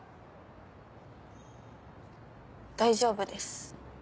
大丈夫です。